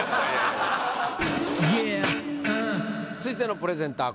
続いてのプレゼンター